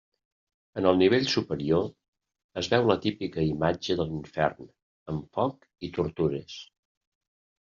En el nivell superior, es veu la típica imatge de l'infern, amb foc i tortures.